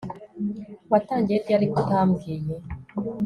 watangiye ryari ko utambwiye